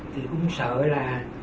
thì cũng sợ là